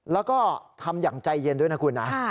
แล้วก็ทำอย่างใจเย็นด้วยนะคุณนะ